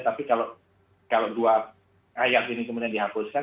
tapi kalau dua ayat ini kemudian dihapuskan